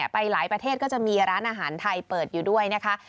ไปหลายประเทศก็จะมีร้านอาหารไทยเปิดอยู่ด้วยนะคะ